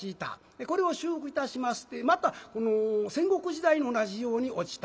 でこれを修復いたしましてまたこの戦国時代に同じように落ちた。